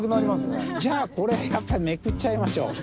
じゃあこれやっぱりめくっちゃいましょう。